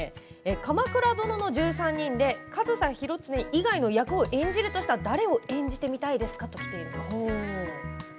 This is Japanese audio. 「鎌倉殿の１３人」で上総広常以外の役を演じるとしたら誰を演じてみたいですかときています。